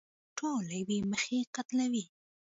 ټول له يوې مخې قتلوي.